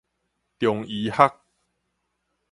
中醫學